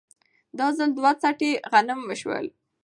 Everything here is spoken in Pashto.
دا ځل دوه څټې غنم وشول